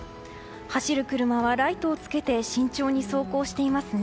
走る車はライトをつけて慎重に走行していますね。